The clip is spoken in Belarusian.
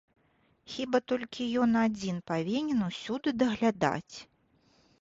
Хіба толькі ён адзін павінен усюды даглядаць?